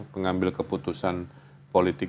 pengambil keputusan politik